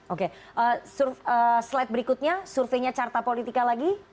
oke slide berikutnya surveinya carta politika lagi